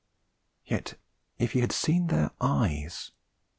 Yet if you had seen their eyes!